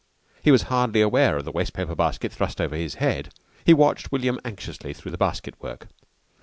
He was hardly aware of the wastepaper basket thrust over his head. He watched William anxiously through the basket work.